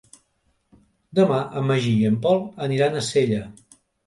Demà en Magí i en Pol aniran a Sella.